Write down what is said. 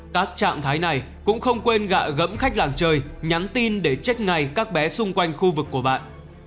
các trạng thái này cũng không quên gạ gẫm khách làng chơi nhắn tin để trách ngài các bé xung quanh khu vực của bạn